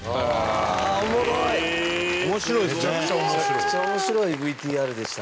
めちゃくちゃ面白いＶＴＲでした。